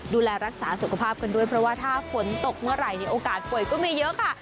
ดูแลรักษาสุขภาพกันด้วยเพราะว่าถ้าฝนตกเมื่อไหร่เนี่ยโอกาสป่วยก็มีเยอะค่ะ